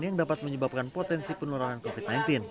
yang dapat menyebabkan potensi penurunan covid sembilan belas